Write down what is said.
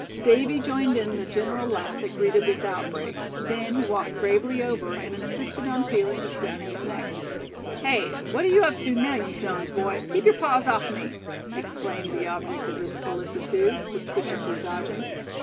Davy joined in the general laugh that greeted this outbreak; then he walked gravely over, and insisted on feeling of Step Hen's neck. "Hey! what you up to, now, you Jones boy? Keep your paws off me!" exclaimed the object of this solicitude, suspiciously dodging.